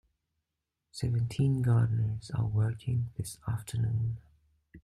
Seventeen gardeners are working this afternoon.